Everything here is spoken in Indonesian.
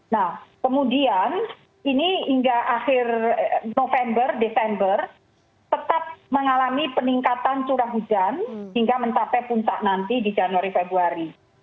nah kemudian ini hingga akhir november desember tetap mengalami peningkatan curah hujan hingga mencapai puncak nanti di januari februari